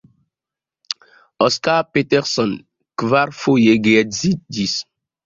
Oscar Peterson kvarfoje geedziĝis.